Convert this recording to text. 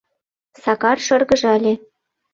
Сакар шыргыжале.